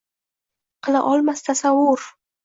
Qila olmas tasavvur».